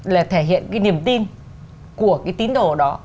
là thể hiện cái niềm tin của cái tín đồ đó